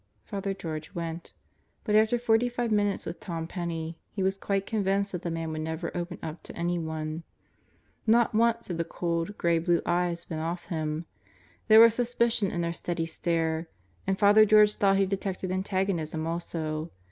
Father George went. But after forty five minutes with Tom Penney he was quite convinced that the man would never open up to anyone. Not once had the cold, gray blue eyes been off him. There was suspicion in their steady stare, and Father George thought he detected antagonism also.